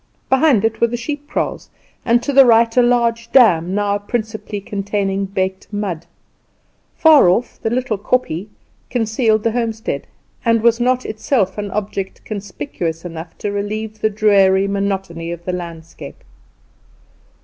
Behind it were the sheep kraals, and to the right a large dam, now principally containing baked mud. Far off the little kopje concealed the homestead, and was not itself an object conspicuous enough to relieve the dreary monotony of the landscape.